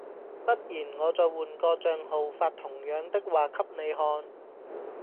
不然我再換個帳號發同樣的話給你看